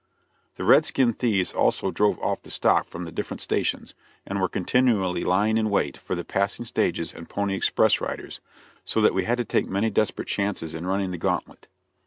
The red skinned thieves also drove off the stock from the different stations, and were continually lying in wait for the passing stages and pony express riders, so that we had to take many desperate chances in running the gauntlet.